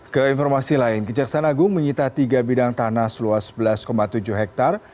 ke informasi lain kejaksanagung mengita tiga bidang tanah seluas sebelas tujuh hektare